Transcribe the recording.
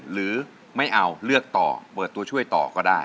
หรือไม่เอาเลือกต่อเปิดตัวช่วยต่อก็ได้